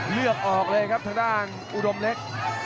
เลือกออกเลยครับทางด้านอุดมเล็ก